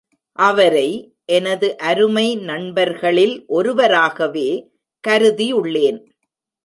அவரை எனது அருமை நண்பர்களில் ஒருவராகவே கருதியுள்ளேன்.